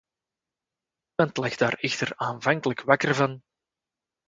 Niemand lag daar echter aanvankelijk wakker van.